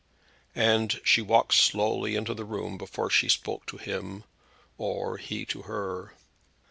And she walked slowly into the room before she spoke to him, or he to her.